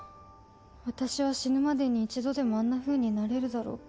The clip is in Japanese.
私は死ぬまでに一度でもあんなふうになれるだろうか